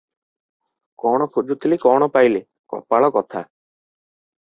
କଣ ଖୋଜୁଥିଲି, କଣ ପାଇଲି- କପାଳ କଥା!